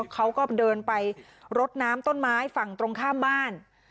เขาก็เดินไปรดน้ำต้นไม้ฝั่งตรงข้ามบ้าน